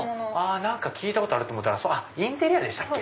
何か聞いたことあると思ったらインテリアでしたっけ。